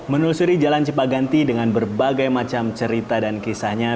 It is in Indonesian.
menelusuri jalan cipaganti dengan berbagai macam cerita dan kisahnya